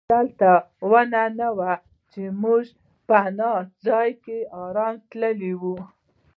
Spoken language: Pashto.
دلته ونې نه وې چې موږ په پناه ځای کې آرام تللي وای.